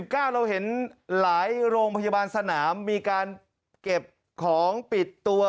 เราเห็นหลายโรงพยาบาลสนามมีการเก็บของปิดตัว